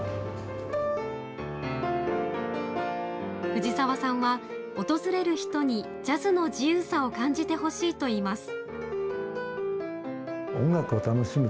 藤澤さんは訪れる人にジャズの自由さを感じてほしいといいます。